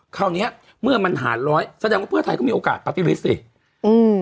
ราวเนี้ยเมื่อมันหารร้อยแสดงว่าเพื่อไทยก็มีโอกาสปาร์ตี้ลิสต์สิอืม